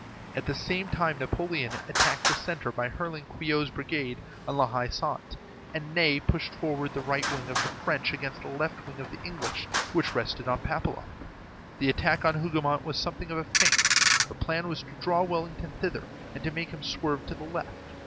At the same time Napoleon attacked the centre by hurling Quiot's brigade on La Haie Sainte, and Ney pushed forward the right wing of the French against the left wing of the English, which rested on Papelotte. The attack on Hougomont was something of a feint; the plan was to draw Wellington thither, and to make him swerve to the left.